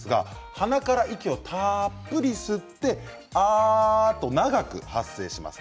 鼻から、息をたっぷり吸ってあーと長く発声します。